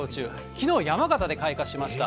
きのう、山形で開花しました。